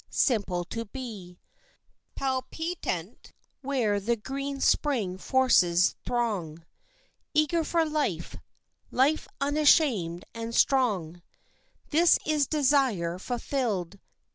Simply to be, Palpitant where the green spring forces throng, Eager for life, life unashamed and strong This is desire fulfilled.